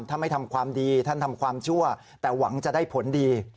ไม่ทำความดีท่านทำความชั่วแต่หวังจะได้ผลดี